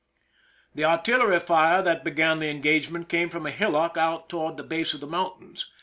The artillery fire that began the engagement came from a hillock out toward the base of the mountains.